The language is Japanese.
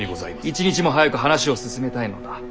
一日も早く話を進めたいのだ。